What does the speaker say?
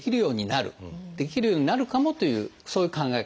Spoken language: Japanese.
できるようになるかも」というそういう考え方。